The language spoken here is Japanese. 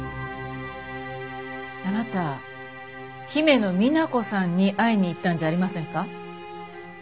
あなた姫野美那子さんに会いに行ったんじゃありませんか？